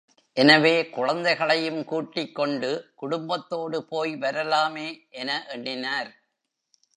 எனவே, குழந்தைகளையும் கூட்டிக் கொண்டு, குடும்பத்தோடு போய் வரலாமே என எண்ணினார்.